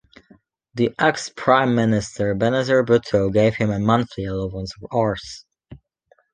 The ex-prime minister Benazir Bhutto gave him a monthly allowance of Rs.